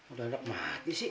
udah ada mati sih